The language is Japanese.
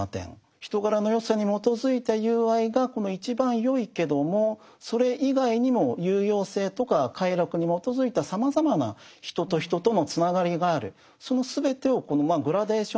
人柄の善さに基づいた友愛が一番よいけどもそれ以外にも有用性とか快楽に基づいたさまざまな人と人とのつながりがある。